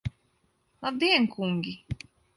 Labdien, kungi!